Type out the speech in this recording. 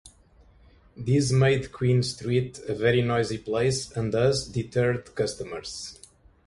These made Queen Street a very noisy place and thus deterred customers.